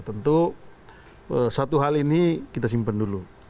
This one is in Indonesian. tentu satu hal ini kita simpan dulu